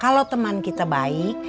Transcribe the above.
kalau teman kita baik